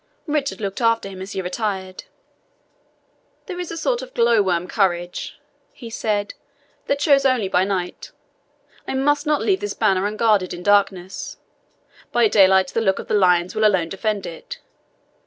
Richard looked after him as he retired. "There is a sort of glow worm courage," he said, "that shows only by night. I must not leave this banner unguarded in darkness; by daylight the look of the Lions will alone defend it.